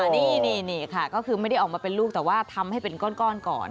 นี่ค่ะก็คือไม่ได้ออกมาเป็นลูกแต่ว่าทำให้เป็นก้อนก่อน